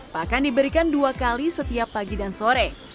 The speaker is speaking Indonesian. pakan diberikan dua kali setiap pagi dan sore